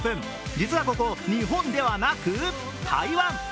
実はここ日本ではなく台湾。